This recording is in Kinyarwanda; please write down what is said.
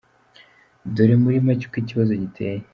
Dore muri macye uko ikibazo giteye :